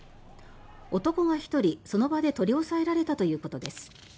男が１人、その場で取り押さえられたということです。